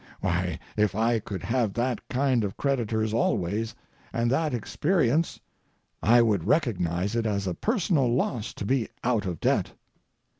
Why, if I could have that kind of creditors always, and that experience, I would recognize it as a personal loss to be out of debt.